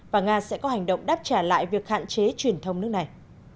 và nga sẽ có hành động đáp trả lại việc hạn chế truyền thông nước này